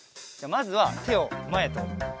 まずはてをまえとうしろ。